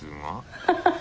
ハハハハ。